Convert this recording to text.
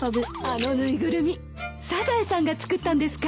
あの縫いぐるみサザエさんが作ったんですか？